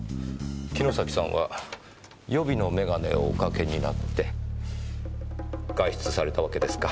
城崎さんは予備の眼鏡をおかけになって外出されたわけですか。